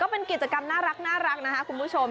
เป็นกิจกรรมน่ารักนะคะคุณผู้ชม